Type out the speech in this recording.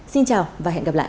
xin chào và hẹn gặp lại